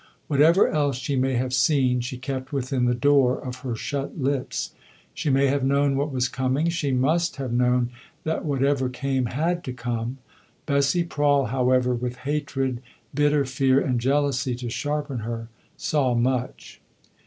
Whatever else she may have seen she kept within the door of her shut lips. She may have known what was coming, she must have known that whatever came had to come. Bessie Prawle, however, with hatred, bitter fear and jealousy to sharpen her, saw much.